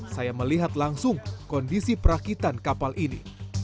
saya melihat langsung kondisi perakitan kapal ini